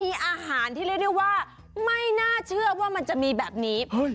มีอาหารที่เรียกได้ว่าไม่น่าเชื่อว่ามันจะมีแบบนี้